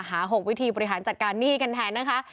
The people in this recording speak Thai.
๖วิธีบริหารจัดการหนี้กันแทนนะคะ